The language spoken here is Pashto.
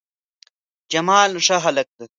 جمال ښه هلک ده